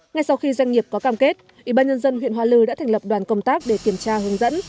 ngay sau khi doanh nghiệp có cam kết ủy ban nhân dân huyện hoa lư đã thành lập đoàn công tác để kiểm tra hướng dẫn